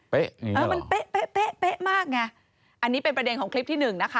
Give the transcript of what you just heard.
เออมันเป๊ะเป๊ะมากไงอันนี้เป็นประเด็นของคลิปที่หนึ่งนะคะ